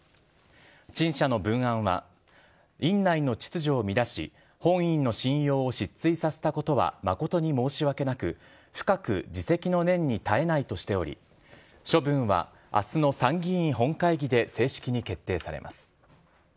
陳謝の文案は、院内の秩序を乱し、本院の信用を失墜させたことは、誠に申し訳なく、深く自責の念に堪えないとしており、処分はあすの参議院本会議で正式に決定されます。